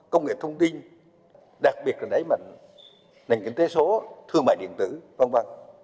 công nghệ thông tin đặc biệt là đẩy mạnh nền kinh tế số thương mại điện tử v v